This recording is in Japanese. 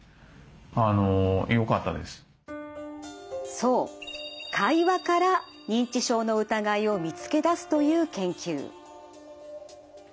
そう会話から認知症の疑いを見つけ出すという研究。